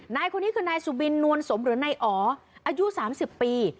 นายคนนี้คือนายสุบินนวลสมหรือนายอ๋ออายุ๓๐ปี